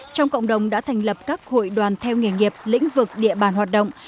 trong cộng đồng đã thành lập các hội đoàn theo nghề nghiệp lĩnh vực địa bàn hoạt động